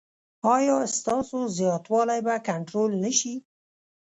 ایا ستاسو زیاتوالی به کنټرول نه شي؟